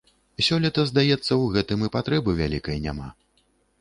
Сёлета, здаецца, у гэтым і патрэбы вялікай няма.